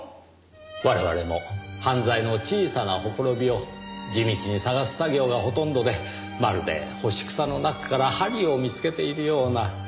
我々も犯罪の小さなほころびを地道に探す作業がほとんどでまるで干し草の中から針を見つけているような。